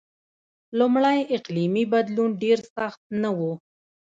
لومړی اقلیمی بدلون ډېر سخت نه و.